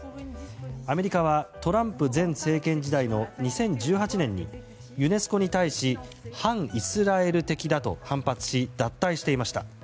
アメリカはトランプ前政権時代の２０１８年にユネスコに対し反イスラエル的だと反発し脱退していました。